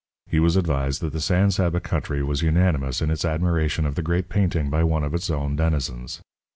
He was advised that the San Saba country was unanimous in its admiration of the great painting by one of its own denizens.